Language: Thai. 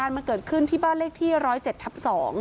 มันเกิดขึ้นที่บ้านเลขที่๑๐๗ทับ๒